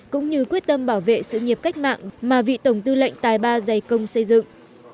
cũng như quyết tâm bảo vệ sự nghiệp cách mạng mà vị tổng tư lệnh tài ba giày công xây dựng